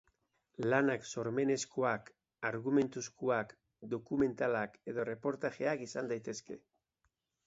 Lanak sormenezkoak, argumentuzkoak, dokumentalak edo erreportajeak izan daitezke.